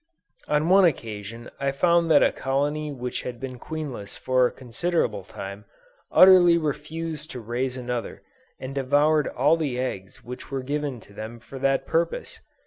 On one occasion I found that a colony which had been queenless for a considerable time, utterly refused to raise another, and devoured all the eggs which were given to them for that purpose!